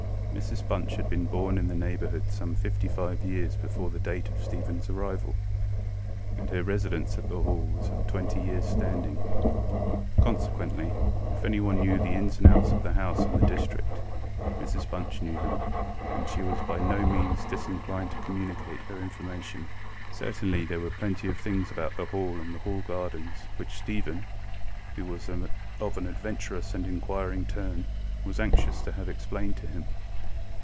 Mrs Bunch had been born in the neighbourhood some fifty five years before the date of StephenŌĆÖs arrival, and her residence at the Hall was of twenty yearsŌĆÖ standing. Consequently, if anyone knew the ins and outs of the house and the district, Mrs Bunch knew them; and she was by no means disinclined to communicate her information. Certainly there were plenty of things about the Hall and the Hall gardens which Stephen, who was of an adventurous and inquiring turn, was anxious to have explained to him.